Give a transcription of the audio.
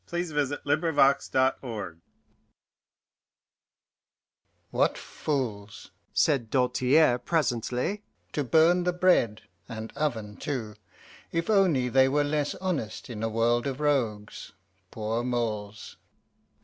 THE MASTER OF THE KING'S MAGAZINE "What fools," said Doltaire presently, "to burn the bread and oven too! If only they were less honest in a world of rogues, poor moles!"